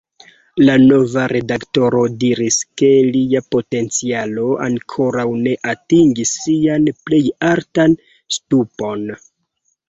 La nova redaktoro diris, ke lia potencialo ankoraŭ ne atingis sian plej altan ŝtupon.